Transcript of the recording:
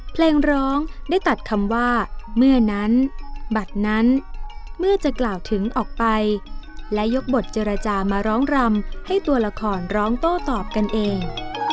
เพลงร้องได้ตัดคำว่าเมื่อนั้นบัตรนั้นเมื่อจะกล่าวถึงออกไปและยกบทเจรจามาร้องรำให้ตัวละครร้องโต้ตอบกันเอง